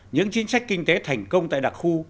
những chính sách kinh tế thành công tại đặc khu